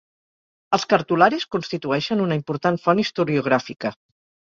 Els cartularis constitueixen una important font historiogràfica.